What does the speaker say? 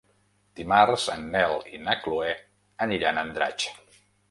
Dimarts en Nel i na Chloé aniran a Andratx.